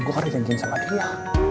gue harus janjin sama dia